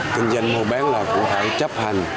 kinh doanh mua bán là cũng phải chấp hành